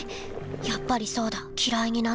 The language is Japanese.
やっぱりそうだきらいになったんだ。